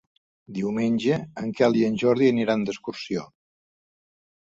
Diumenge en Quel i en Jordi aniran d'excursió.